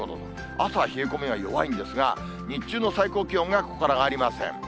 朝は冷え込みが弱いんですが、日中の最高気温がここから上がりません。